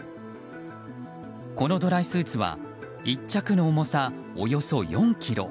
このドライスーツは１着の重さおよそ４ｋｇ。